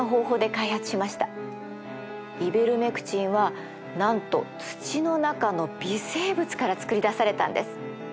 イベルメクチンはなんと土の中の微生物から作り出されたんです。